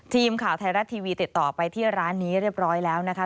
ทีมข่าวไทยรัฐทีวีติดต่อไปที่ร้านนี้เรียบร้อยแล้วนะคะ